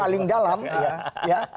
yang paling dalam ya